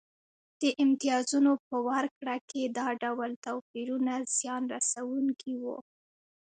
د امتیازونو په ورکړه کې دا ډول توپیرونه زیان رسونکي وو